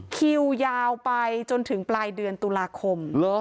คิวยาวไปจนถึงปลายเดือนตุลาคม